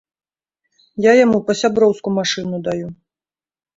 Я яму па-сяброўску машыну даю.